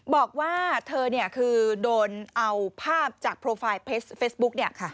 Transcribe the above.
บอกว่าเธอคือโดนเอาภาพจากโปรไฟล์เฟซบุ๊ก